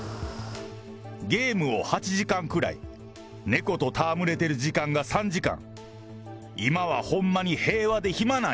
ゲームを８時間くらい、猫と戯れている時間が３時間。